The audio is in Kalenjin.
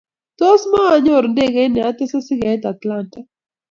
Tos muanyoru ndeget ne atese sikeit Atlanta?